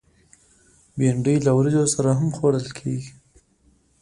بېنډۍ له وریژو سره هم خوړل کېږي